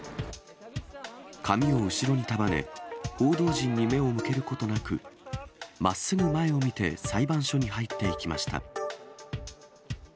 髪を後ろに束ね、報道陣に目を向けることなく、まっすぐ前を見て、裁判所に入っていきました。